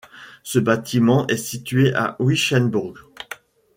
Ce bâtiment est situé à Wissembourg.